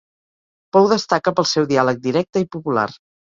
Pou destaca pel seu diàleg directe i popular.